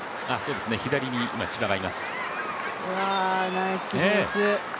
ナイスディフェンス。